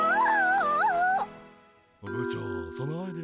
部長そのアイデア。